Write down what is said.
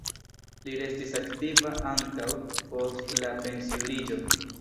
Li restis aktiva ankaŭ post la pensiuliĝo.